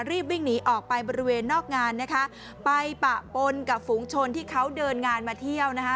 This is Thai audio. รีบวิ่งหนีออกไปบริเวณนอกงานนะคะไปปะปนกับฝูงชนที่เขาเดินงานมาเที่ยวนะคะ